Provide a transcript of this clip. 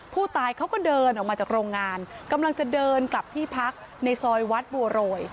ผู้ตายเขาก็เดินออกมาจากโรงงานกำลังจะเดินกลับที่พักในซอยวัดบัวโรย